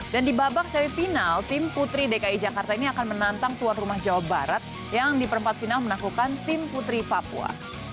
dan di babak semi final tim putri dki jakarta ini akan menantang tuan rumah jawa barat yang di perempat final menaklukan tim putri papua